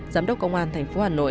giám đốc công an tp hà nội